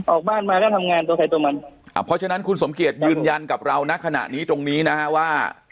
ออกบ้านมาก็ทำงานตัวใครตัวมันอ่าเพราะฉะนั้นคุณสมเกียจยืนยันกับเรานะขณะนี้ตรงนี้นะฮะว่า